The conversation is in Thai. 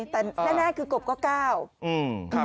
แม่แน่คือกลบก่อเก้า